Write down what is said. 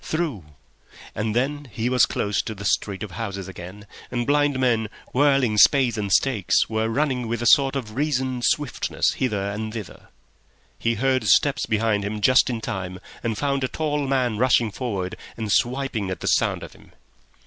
Through! And then he was close to the street of houses again, and blind men, whirling spades and stakes, were running with a reasoned swiftness hither and thither. He heard steps behind him just in time, and found a tall man rushing forward and swiping at the sound of him.